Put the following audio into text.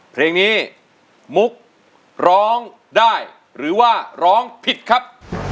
เพลงนี้มุกร้องได้หรือว่าร้องผิดครับ